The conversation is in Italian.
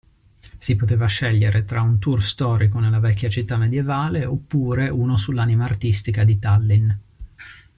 Si poteva scegliere tra un tour storico nella vecchia città medievale, oppure, uno sull'anima artistica di Tallinn.